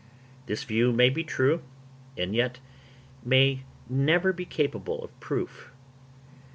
This view may be true, and yet may never be capable of proof.